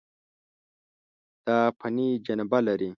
دا فني جنبه لري.